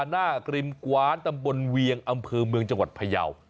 หน้ากริมกว้านตำบลเวียงอำเภอเมืองจังหวัดพยาว